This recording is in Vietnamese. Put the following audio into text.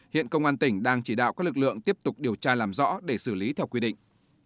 hiện công an tỉnh đang chỉ đạo các lực lượng tiếp tục điều tra làm rõ để xử lý theo quy định